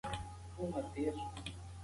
هغوی په ټیکنالوژۍ کې ډېر پرمختګ کړی دي.